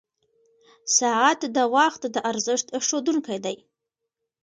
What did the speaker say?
• ساعت د وخت د ارزښت ښوونکی دی.